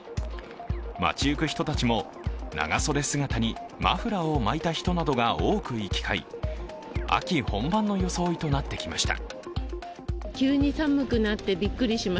街ゆく人たちも、長袖姿にマフラーを巻いた人などが多く行き交い、秋本番の装いとなってきました。